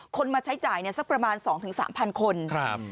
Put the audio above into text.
คนมาใช้จ่ายเนี่ยสักประมาณ๒๓พันคน